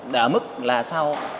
đã mức là sau